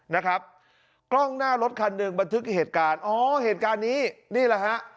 นะครับกล้องหน้ารถคันหนึ่งบันทึกเหตุการณ์อ๋อเหตุการณ์นี้นี่แหละฮะ